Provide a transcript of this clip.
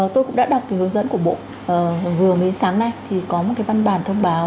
tôi cũng đã đọc cái hướng dẫn của bộ vừa mới sáng nay thì có một cái văn bản thông báo